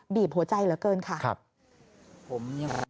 บีบหัวใจเหลือเกินค่ะครับผม